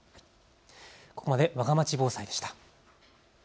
ここまでわがまち防災でした。